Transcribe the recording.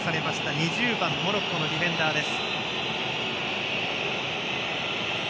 ２０番モロッコのディフェンダーです。